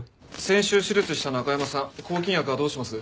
先週手術した中山さん抗菌薬はどうします？